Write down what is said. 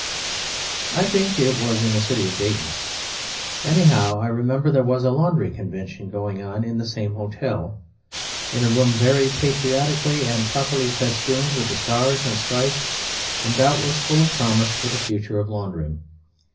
I think it was in the city of Dayton; anyhow I remember there was a Laundry Convention going on in the same hotel, in a room very patriotically and properly festooned with the stars and stripes, and doubtless full of promise for the future of laundering.